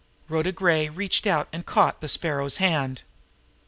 Rhoda Gray reached out and caught the Sparrow's hand.